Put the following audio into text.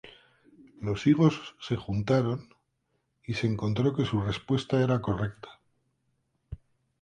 Los higos se juntaron, y se encontró que su respuesta era correcta.